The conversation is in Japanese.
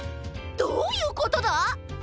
どういうことだ！？